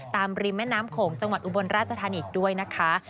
ริมแม่น้ำโขงจังหวัดอุบลราชธานีด้วยนะคะ